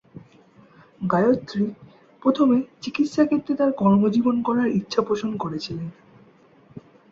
গায়ত্রী প্রথমে চিকিৎসা ক্ষেত্রে তার কর্মজীবন গড়ার ইচ্ছা পোষণ করেছিলেন।